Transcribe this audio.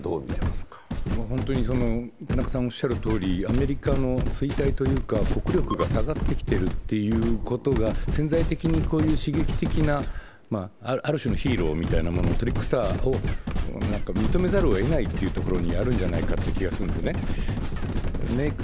アメリカの衰退というか国力が下がってきていることが潜在的にこういう刺激的なある種のヒーローみたいなものトリックスターを認めざるをえないところにきていると思うんですねメイク